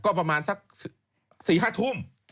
ก็ประมาณสัก๔๕ทุ่ม